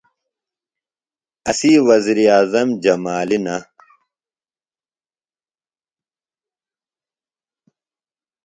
اسی وزیر اعظم جمالی نہ۔